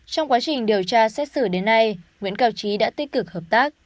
trong quá trình điều tra xét xử đến nay nguyễn cao trí đã tích cực hợp tác